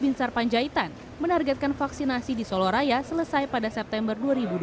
binsar panjaitan menargetkan vaksinasi di solo raya selesai pada september dua ribu dua puluh